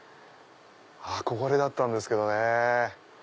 憧れだったんですけどね。